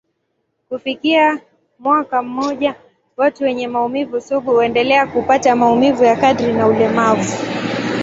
Kufikia mwaka mmoja, watu wenye maumivu sugu huendelea kupata maumivu ya kadri na ulemavu.